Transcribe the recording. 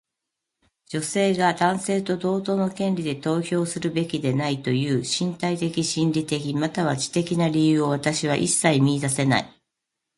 女性が男性と同等の権利で投票するべきではないとする身体的、心理的、または知的な理由を私は一切見いだせない。